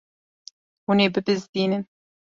Hûn ê bibizdînin.